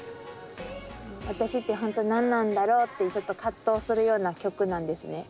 「私ってホント何なんだろう？」ってちょっと葛藤するような曲なんですね。